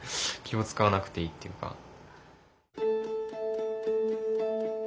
気を遣わなくていいっていうか。